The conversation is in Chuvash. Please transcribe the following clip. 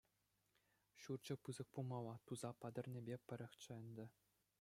Ҫурчӗ пысӑк пулмалла, туса пӗтернӗпе пӗрехчӗ ӗнтӗ.